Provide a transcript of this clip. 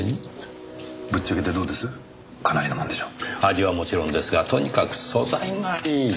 味はもちろんですがとにかく素材がいい。